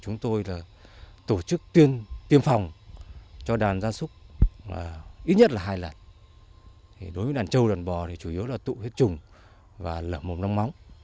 chúng tôi tổ chức tiêm phòng cho đàn gia súc ít nhất là hai lần đối với đàn trâu đàn bò thì chủ yếu là tụ hết trùng và lợn mồm nông móng